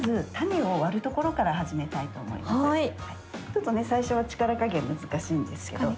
ちょっとね最初は力加減難しいんですけど。